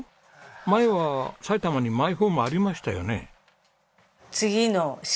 前は埼玉にマイホームありましたよね？